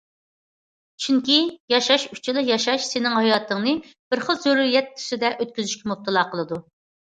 چۈنكى، ياشاش ئۈچۈنلا ياشاش سېنىڭ ھاياتىڭنى بىر خىل زۆرۈرىيەت تۈسىدە ئۆتكۈزۈشكە مۇپتىلا قىلىدۇ.